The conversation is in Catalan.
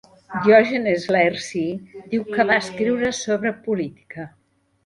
Diògenes Laerci diu que va escriure sobre política.